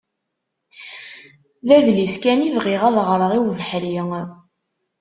D adlis kan i bɣiɣ ad ɣreɣ i ubeḥri.